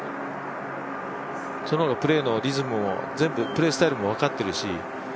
そのほうがプレーのリズムも、全部プレースタイルも分かっているし